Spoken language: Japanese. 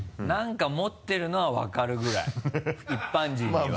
何か持ってるのは分かるぐらい一般人には。